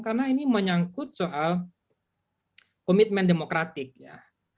karena ini menyangkut soal komitmen demokratik ya